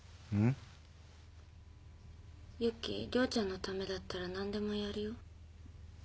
由紀涼ちゃんのためだったら何でもやるよ。